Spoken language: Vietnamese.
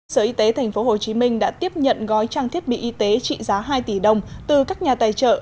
sở y tế tp hcm đã tiếp nhận gói trang thiết bị y tế trị giá hai tỷ đồng từ các nhà tài trợ